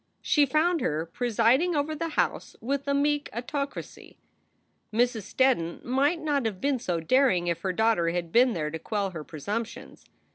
She found her presiding over the house with a meek autocracy. Mrs. Steddon might not have been so daring if her daugh ter had been there to quell her presumptions.